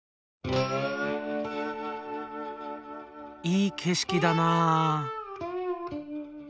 いい景色だな。